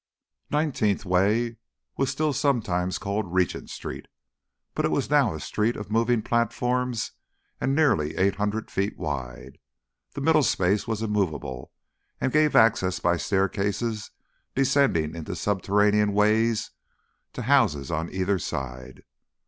Nineteenth Way was still sometimes called Regent Street, but it was now a street of moving platforms and nearly eight hundred feet wide. The middle space was immovable and gave access by staircases descending into subterranean ways to the houses on either side.